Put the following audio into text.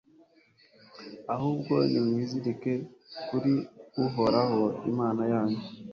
ahubwo nimwizirike kuri uhoraho, imana yanyu